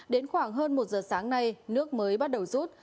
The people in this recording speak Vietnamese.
đến khoảng hơn một giờ sáng nay nước mới bắt đầu rút